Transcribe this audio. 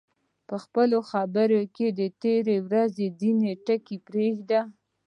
په خپلو خبرو کې د تېرې ورځې ځینې ټکي پرېږده.